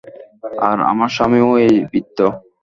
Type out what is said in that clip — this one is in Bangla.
আর আমার স্বামীও এই বৃদ্ধ!